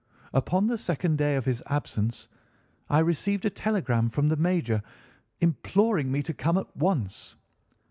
Upon the second day of his absence I received a telegram from the major, imploring me to come at once.